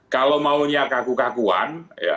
kalau maunya kaku kakuan